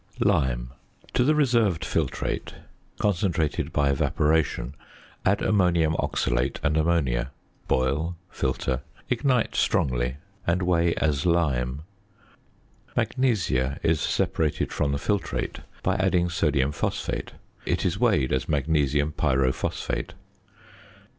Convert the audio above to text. ~Lime.~ To the reserved filtrate, concentrated by evaporation, add ammonium oxalate and ammonia; boil, filter, ignite strongly, and weigh as lime. ~Magnesia~ is separated from the filtrate by adding sodium phosphate. It is weighed as magnesium pyrophosphate.